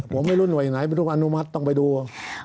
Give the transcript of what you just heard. ผมไม่รู้๑๙๔๙อย่างไรไม่รู้ความอนุมัติต้องไปดู